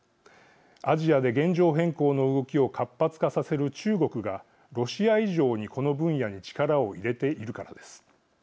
アジアで現状変更の動きを活発化させる中国がロシア以上にこの分野に力を入れているからです。